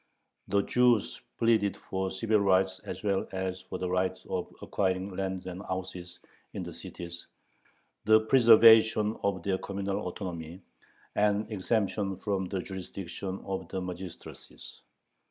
The Jews pleaded for civil rights as well as for the right of acquiring lands and houses in the cities, the preservation of their communal autonomy, and exemption from the jurisdiction of the magistracies.